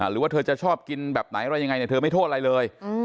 หรือว่าเธอจะชอบกินแบบไหนอะไรยังไงเธอไม่โทษอะไรเลย